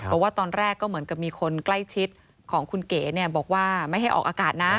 บอกว่าตอนแรกก็เหมือนกับมีคนใกล้ชิดของคุณเก๋บอกว่าไม่ให้ออกอากาศนะ